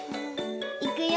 いくよ。